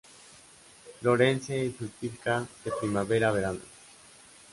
Florece y fructifica de primavera a verano.